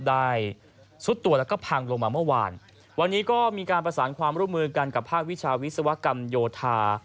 ซุดตัวแล้วก็พังลงมาเมื่อวานวันนี้ก็มีการประสานความร่วมมือกันกับภาควิชาวิศวกรรมโยธา